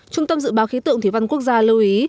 trung tâm dự báo khí tượng thủy văn quốc gia lưu ý